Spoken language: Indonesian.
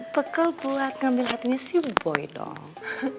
bekel buat ngambil hatinya si boy dong